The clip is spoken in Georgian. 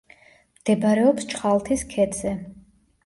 მდებარეობს ჩხალთის ქედზე.